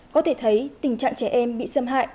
có thể thấy tình trạng trẻ em bị xâm hại